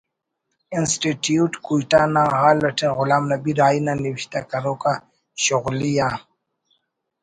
انسٹی ٹیوٹ کوئٹہ نا ہال اٹی غلام نبی راہی نا نوشتہ کروک آ شغلی آ